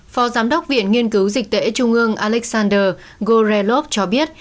phó giám đốc viện nghiên cứu dịch tễ trung ương alexander gorelov cho biết